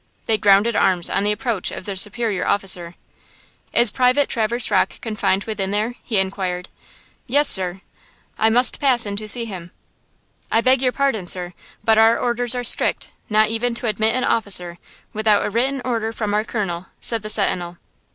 They grounded arms on the approach of their superior officer. "Is Private Traverse Rocke confined within there?" he inquired. "Yes, sir." "I must pass in to see him." "I beg your pardon, sir, but our orders are strict, not even to admit an officer, without a written order from our Colonel," said the sentinel.